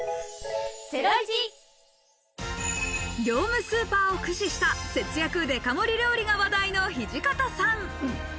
業務スーパーを駆使した節約デカ盛り料理が話題の土方さん。